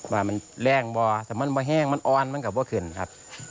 มันแร่งหวาอ่อนมันกับกระเป๋าขึ่นครับ